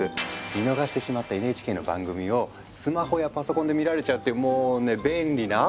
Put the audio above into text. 見逃してしまったＮＨＫの番組をスマホやパソコンで見られちゃうっていうもうね便利なアプリなんですよ！